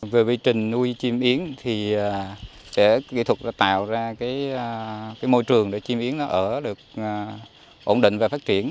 về bây trình nuôi chim yến kỹ thuật tạo ra môi trường để chim yến ở được ổn định và phát triển